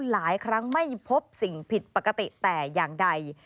หลายครั้งไม่พบสิ่งผิดปกติแต่อย่างใด